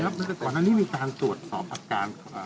ตอนนี้มีการตรวจสอบอาการ